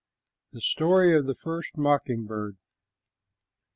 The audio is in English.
THE STORY OF THE FIRST MOCKING BIRD.